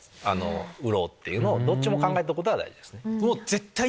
売ろう！っていうのをどっちも考えておくことが大事。